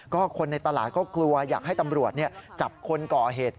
ก็คนในตลาดก็กลัวอยากให้ตำรวจจับคนก่อเหตุ